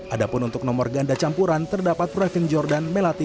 ada pun untuk nomor ganda campuran terdapat privin jordan melatih